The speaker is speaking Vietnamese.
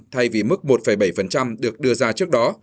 thay vì mức một bảy được đưa ra trước đó